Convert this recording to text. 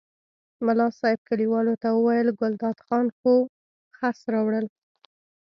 ملا صاحب کلیوالو ته وویل ګلداد خان خو خس راوړل.